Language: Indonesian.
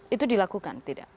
itu dilakukan tidak